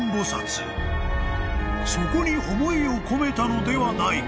［そこに思いを込めたのではないか］